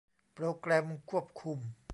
โปรแกรมควบคุม